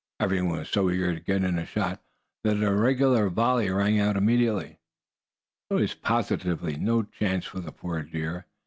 Every one was so eager to get in a shot, that a regular volley rang out immediately. There was positively no chance for the poor deer.